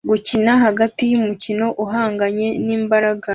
gukina hagati yumukino uhanganye nimbaraga